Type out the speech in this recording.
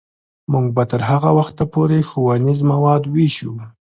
موږ به تر هغه وخته پورې ښوونیز مواد ویشو.